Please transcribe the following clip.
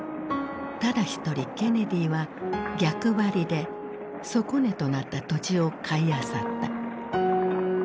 ただ一人ケネディは逆張りで底値となった土地を買いあさった。